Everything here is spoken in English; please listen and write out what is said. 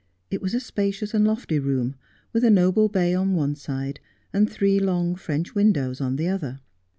It was a spacious and lofty room, with a noble bay on one side, and three long French windows on the other.